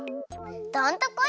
どんとこい！